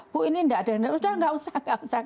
bu ini gak ada udah gak usah